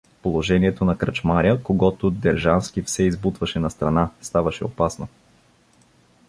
Положението на кръчмаря, когото Держански все избутваше настрана, ставаше опасно.